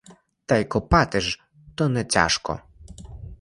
Та й копати ж то не тяжко.